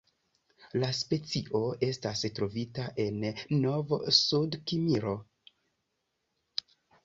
La specio estas trovita en Novsudkimrio.